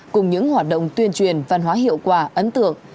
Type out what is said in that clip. cùng những hoạt động tuyên truyền văn hóa hiệu quả ấn tượng